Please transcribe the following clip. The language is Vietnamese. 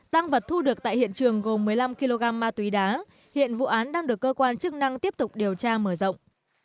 tăng vật thu được tại hiện trường gồm một mươi năm kg ma túy đá hiện vụ án đang được cơ quan chức năng tiếp tục điều tra mở rộng